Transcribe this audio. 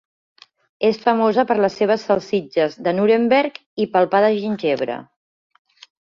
És famosa per les seves salsitxes de Nuremberg i pel pa de gingebre.